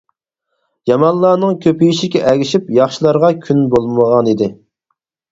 يامانلارنىڭ كۆپىيىشىگە ئەگىشىپ ياخشىلارغا كۈن بولمىغانىدى.